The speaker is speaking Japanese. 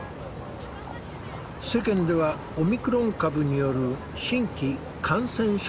世間ではオミクロン株による新規感染者数が急増。